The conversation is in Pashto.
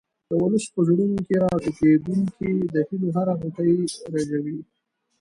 د ولس په زړونو کې راټوکېدونکې د هیلو هره غوټۍ رژوي.